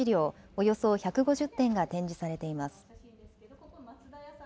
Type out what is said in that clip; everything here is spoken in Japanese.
およそ１５０点が展示されています。